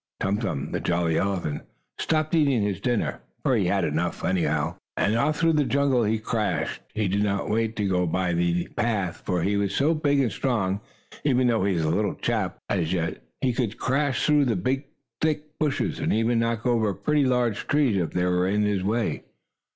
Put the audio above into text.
Tum Tum, the jolly elephant, stopped eating his dinner, for he had had enough, anyhow, and off through the jungle he crashed. He did not wait to go by the path, for he was so big and strong. Even though he was a little chap, as yet, he could crash through big thick bushes, and even knock over pretty large trees, if they were in his way.